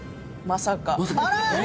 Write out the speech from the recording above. まさか。